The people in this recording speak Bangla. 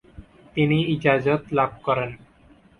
তিনি ইজাজত লাভ করেন ।